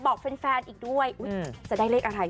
บอกแฟนอีกด้วยจะได้เลขอะไร